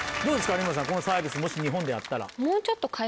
有村さんこのサービスもし日本でやったら。